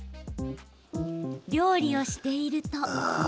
料理をしていると。